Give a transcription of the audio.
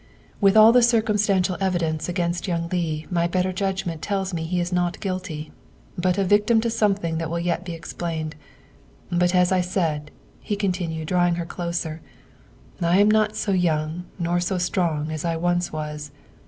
" With all the circumstantial evidence against young Leigh my better judgment tells me he is not guilty, but a victim to something that will yet be explained, but as I said," he continued, drawing her closer, "I'm not so young nor so strong as I once was.